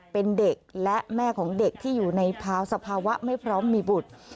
เป็นเด็กและแม่ของเด็กที่อยู่ในภาวะสภาวะไม่พร้อมมีบุตร